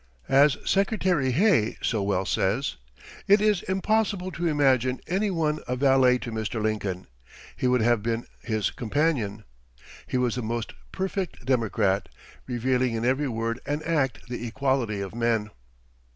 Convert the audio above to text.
As Secretary Hay so well says, "It is impossible to imagine any one a valet to Mr. Lincoln; he would have been his companion." He was the most perfect democrat, revealing in every word and act the equality of men.